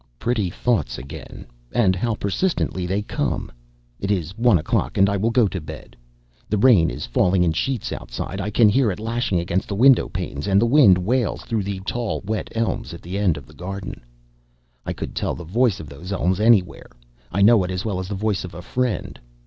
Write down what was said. Pretty thoughts again! and how persistently they come! It is one o'clock and I will go to bed. The rain is falling in sheets outside. I can hear it lashing against the window panes, and the wind wails through the tall wet elms at the end of the garden. I could tell the voice of those elms anywhere; I know it as well as the voice of a friend.